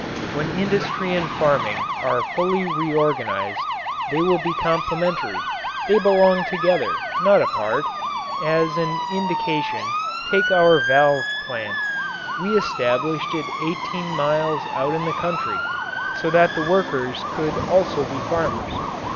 When industry and farming are fully reorganized they will be complementary; they belong together, not apart. As an indication, take our valve plant. We established it eighteen miles out in the country so that the workers could also be farmers.